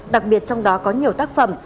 đặc biệt trong đó có nhiều tác phẩm